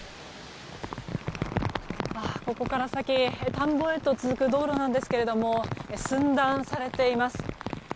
ここから先田んぼへと続く道路なんですが寸断されています。